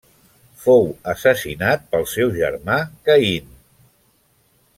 Fou assassinat pel seu germà Caín.